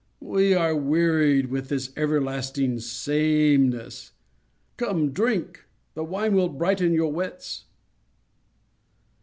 We are wearied with this everlasting sameness. Come, drink! the wine will brighten your wits."